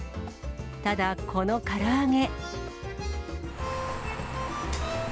ただ、このから揚げ。